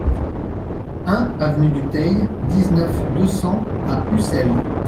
un avenue du Theil, dix-neuf, deux cents à Ussel